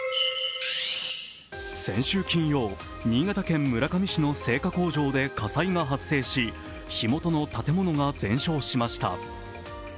先週金曜、新潟県村上市の製菓工場で火災が発生し火元の建物が全焼しました。